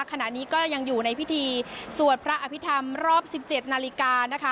ขณะนี้ก็ยังอยู่ในพิธีสวดพระอภิษฐรรมรอบ๑๗นาฬิกานะคะ